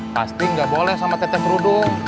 pasti nggak boleh sama tetes rudung